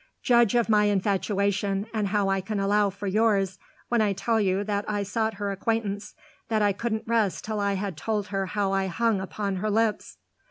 Judge of my infatuation, and how I can allow for yours, when I tell you that I sought her acquaintance, that I couldn't rest till I had told her how I hung upon her lips."